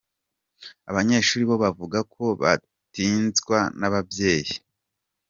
Abanyeshuri bo bavuga ko batinzwa n’ababyeyi.